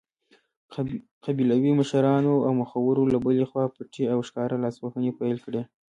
قبیلوي مشرانو او مخورو له بلې خوا پټې او ښکاره لاسوهنې پیل کړې.